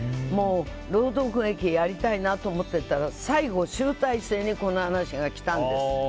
朗読劇やりたいなと思ってたら最後、集大成にこの話が来たんです。